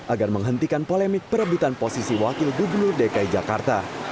agar menghentikan polemik perebutan posisi wakil gubernur dki jakarta